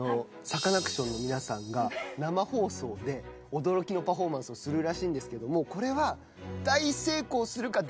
サカナクションの皆さんが生放送で驚きのパフォーマンスをするらしいんですけどもこれは。